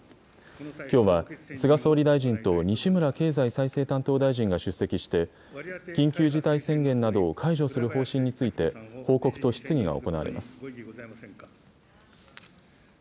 きょうは菅総理大臣と西村経済再生担当大臣が出席して、緊急事態宣言などを解除する方針について、報告と質疑が行われます。